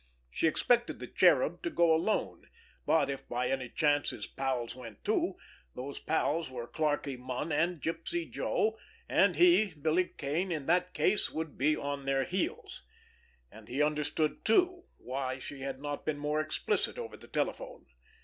She expected the Cherub to go alone, but if by any chance his pals went too, those pals were Clarkie Munn and Gypsy Joe—and he, Billy Kane, in that case, would be on their heels. And he understood, too, why she had not been more explicit over the telephone.